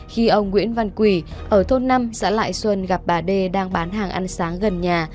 khi ông nguyễn văn quỳ ở thôn năm xã lại xuân gặp bà đê đang bán hàng ăn sáng gần nhà